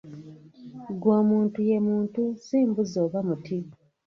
Ggwe omuntu ye muntu, ssi mbuzi oba omuti.